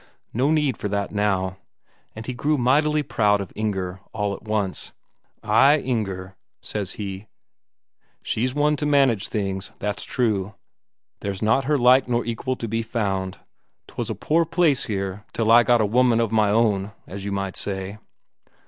No need for that now. And he grew mightily proud of Inger all at once. "Ay, Inger," says he. "She's one to manage things, that's true. There's not her like nor equal to be found. 'Twas a poor place here till I got a woman of my own, as you might say."